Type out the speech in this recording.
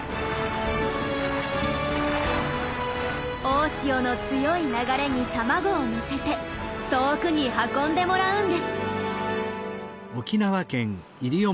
大潮の強い流れに卵を乗せて遠くに運んでもらうんです。